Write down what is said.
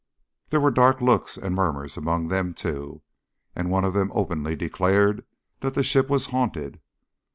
There were dark looks and murmurs among them too, and one of them openly declared that the ship was haunted.